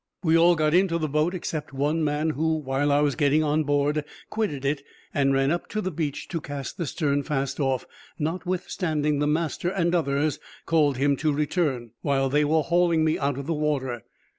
We all got into the boat except one man, who, while I was getting on board, quitted it, and ran up the beach to cast the sternfast off, notwithstanding the master and others called to him to return, while they were hauling me out of the water.